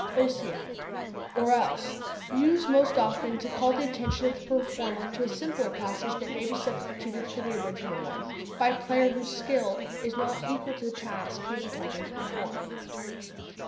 Ossia or else; used most often to call the attention of the performer to a simpler passage that may be substituted for the original one by a player whose skill is not equal to the task he is attempting to perform.